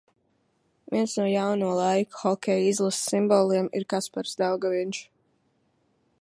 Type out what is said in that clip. Viens no jauno laiku hokeja izlases simboliem ir Kaspars Daugaviņš.